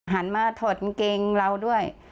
หันมาถอดกางเกงเราด้วย